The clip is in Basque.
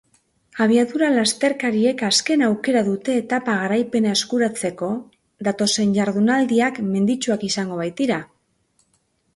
Abiadura-lasterkariek azken aukera dute etapa garaipena eskuratzeko, datozen jardunaldiak menditsuak izango baitira.